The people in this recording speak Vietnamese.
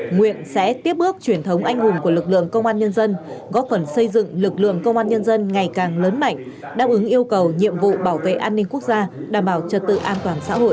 nguyện sẽ tiếp bước truyền thống anh hùng của lực lượng công an nhân dân góp phần xây dựng lực lượng công an nhân dân ngày càng lớn mạnh đáp ứng yêu cầu nhiệm vụ bảo vệ an ninh quốc gia đảm bảo trật tự an toàn xã hội